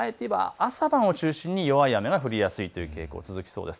朝晩を中心に弱い雨が降りやすいという傾向が続きそうです。